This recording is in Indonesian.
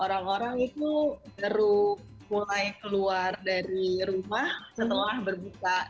orang orang itu baru mulai keluar dari rumah setelah berbuka